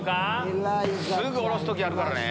すぐ下ろす時あるからね。